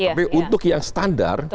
tapi untuk yang standar